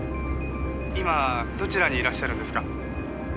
「今どちらにいらっしゃるんですか？」